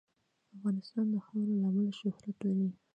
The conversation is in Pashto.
افغانستان د خاوره له امله شهرت لري.